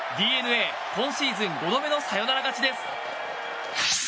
ＤｅＮＡ、今シーズン５度目のサヨナラ勝ちです！